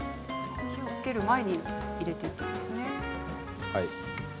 火をつける前に入れていくんですね。